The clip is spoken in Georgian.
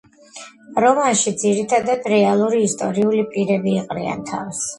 რომანში ძირითადად რეალური ისტორიული პირები იყრიან თავს.